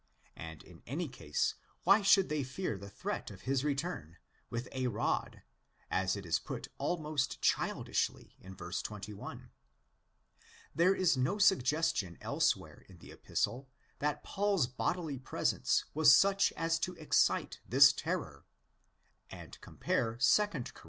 And in any case why THE FIRST EPISTLE 171 should they fear the threat of his return—'' with ἃ rod," as it is put almost childishly in verse 21? There is no suggestion elsewhere in the Epistle that Paul's bodily presence was such as to excite this terror; and compare 2 Cor.